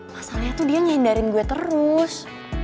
masalahnya tuh dia nyindarin gue terus